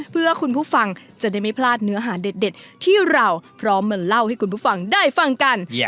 เพื่อคุณผู้ฟังจะได้ไม่พลาดเนื้อหาเด็ดที่เราพร้อมมาเล่าให้คุณผู้ฟังได้ฟังกัน